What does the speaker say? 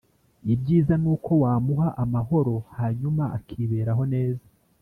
ibyiza nuko wamuha amahoro hanyuma akiberaho neza